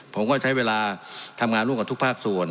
ผมก็ใช้เวลาทำงานร่วมกับทุกภาคส่วน